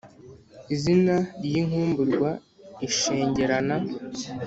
izina ry' inkumburwa ishengerana